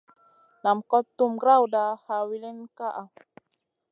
Nam kot tuhm grawda, ha wilin nam ka.